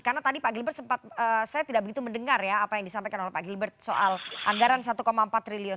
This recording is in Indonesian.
karena tadi pak gilbert sempat saya tidak begitu mendengar ya apa yang disampaikan oleh pak gilbert soal anggaran satu empat triliun